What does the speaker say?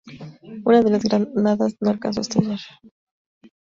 Una de las granadas no alcanzó a estallar.